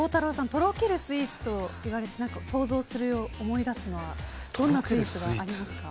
とろけるスイーツといわれて思い出すものはどんなスイーツがありますか？